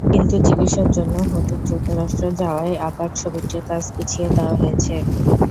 কিন্তু চিকিৎসার জন্য হূতিক যুক্তরাষ্ট্র যাওয়ায় আবার ছবিটির কাজ পিছিয়ে দেওয়া হয়েছে।